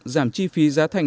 giảm chi phí giá thành